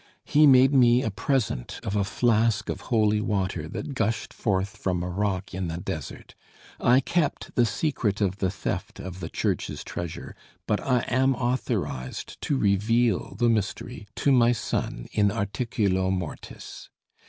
He made me a present of a flask of holy water that gushed forth from a rock in the desert. I kept the secret of the theft of the Church's treasure, but I am authorized to reveal the mystery to my son 'in articulo mortis.'